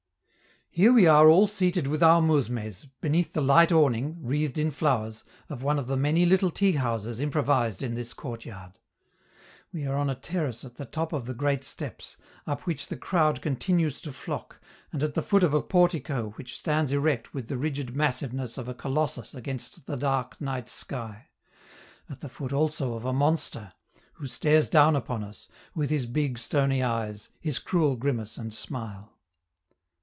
Here we are all seated with our mousmes, beneath the light awning, wreathed in flowers, of one of the many little teahouses improvised in this courtyard. We are on a terrace at the top of the great steps, up which the crowd continues to flock, and at the foot of a portico which stands erect with the rigid massiveness of a colossus against the dark night sky; at the foot also of a monster, who stares down upon us, with his big stony eyes, his cruel grimace and smile.